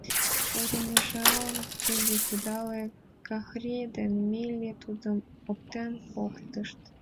Урмыжалын, тӱгӧ кудале, Кӓхри ден Милли тудым оптен поктышт.